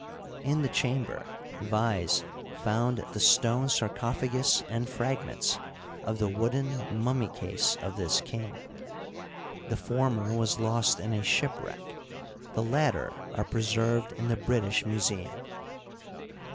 In the chamber Vyse found the stone sarcophagus and fragments of the wooden mummy case of this king. The Digitized byCjOOQlC THE OLD EMPIRE, 39 former was lost in a shipwreck ; the latter are preserved in the British Museum.